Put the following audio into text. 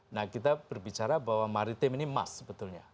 nah kita berbicara bahwa maritim ini emas sebetulnya